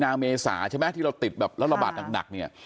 นางเมษาที่เราติดแล้วระบาดหนัก